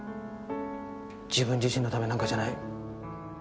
自分自身のためなんかじゃない。